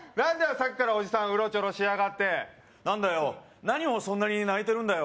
さっきからおじさんウロチョロしやがって何だよ何をそんなに泣いてるんだよ